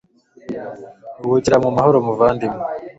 ruhukira mu mahoro! muvandimwe